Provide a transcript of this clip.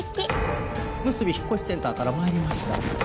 むすび引越センターから参りました。